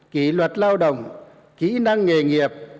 kỹ luật lao động kỹ năng nghề nghiệp